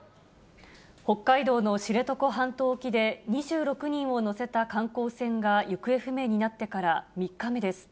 北海道の知床半島沖で、２６人を乗せた観光船が行方不明になってから３日目です。